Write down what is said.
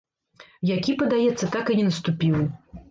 Які, падаецца, так і не наступіў.